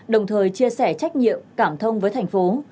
đồng thời chia sẻ trách nhiệm cảm thông với thành phố